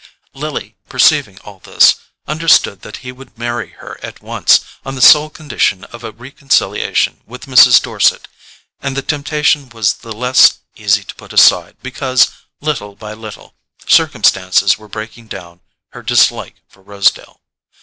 Lily, perceiving all this, understood that he would marry her at once, on the sole condition of a reconciliation with Mrs. Dorset; and the temptation was the less easy to put aside because, little by little, circumstances were breaking down her dislike for Rosedale.